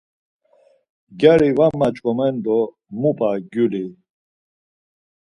Gyari var maç̌ǩomen do mu p̌a gyuli!